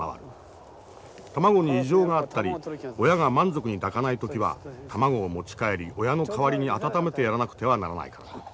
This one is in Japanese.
卵に異常があったり親が満足に抱かない時は卵を持ち帰り親の代わりに温めてやらなくてはならないからだ。